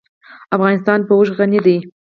افغانستان په اوښ غني دی.